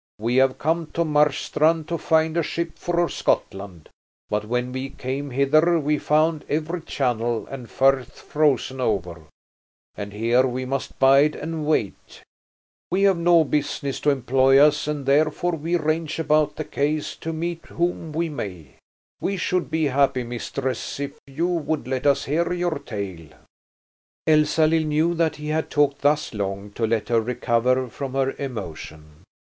We have come to Marstrand to find a ship for Scotland, but when we came hither we found every channel and firth frozen over, and here we must bide and wait. We have no business to employ us, and therefore we range about the quays to meet whom we may. We should be happy, mistress, if you would let us hear your tale." Elsalill knew that he had talked thus long to let her recover from her emotion.